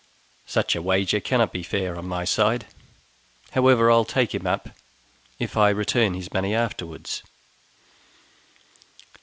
Such a wager cannot be fair on my side; however, I'll take him up, if I return his money afterwards.